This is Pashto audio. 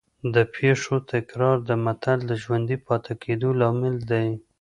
د پېښو تکرار د متل د ژوندي پاتې کېدو لامل دی